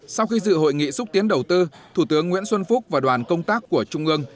sau khi dự hội nghị xúc tiến đầu tư thủ tướng nguyễn xuân phúc và đoàn công tác của trung ương